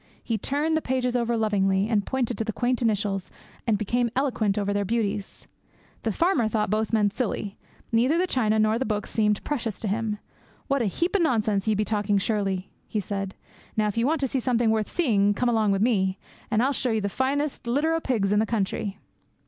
He turned the pages over lovingly, and pointed to the quaint initials, and became eloquent over their beauties. The farmer thought both men silly. Neither the china nor the books seemed precious to him. 'What a heap o' nonsense ye be talking surely,' he said. 'Now if ye want to see something worth seeing, come along o' me, and I'll show you the finest litter o' pigs in the country.'